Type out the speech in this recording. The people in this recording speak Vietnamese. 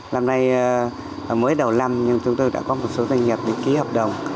năm nay mới đầu năm nhưng chúng tôi đã có một số doanh nghiệp ký hợp đồng